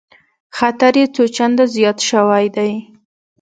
خطر یې څو چنده زیات شوی دی